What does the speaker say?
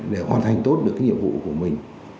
để hoàn thành tốt được nhiệm vụ của mình